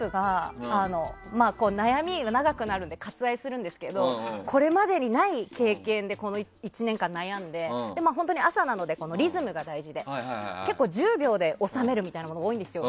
特に「ＺＩＰ！」が長くなるので割愛するんですけどこれまでにない経験でこの１年間悩んで朝なので、リズムが大事で結構、１０秒で収めるみたいなものが多いんですよ。